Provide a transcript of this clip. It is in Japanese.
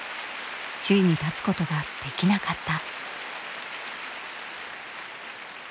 首位に立つことができなかった。